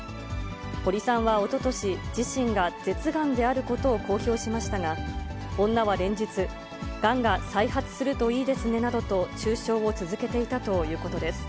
堀さんはおととし、自身が舌がんであることを公表しましたが、女は連日、がんが再発するといいですねなどと中傷を続けていたということです。